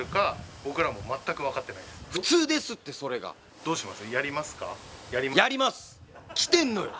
どうします？